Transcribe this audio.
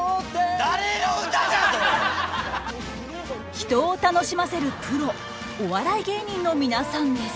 人を楽しませるプロお笑い芸人の皆さんです。